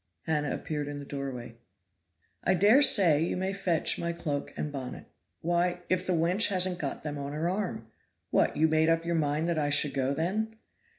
Hannah appeared in the doorway. "I dare say you may fetch my cloak and bonnet. Why, if the wench hasn't got them on her arm. What, you made up your mind that I should go, then?"